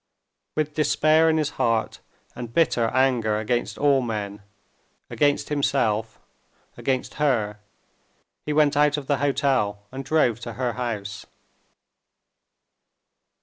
With despair in his heart and bitter anger against all men, against himself, against her, he went out of the hotel and drove to her house.